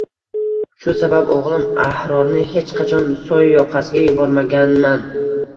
Shu sabab o`g`lim Ahrorni hech qachon soy yoqasiga yubormaganman